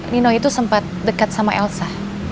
nino itu sempat dekat sama elsa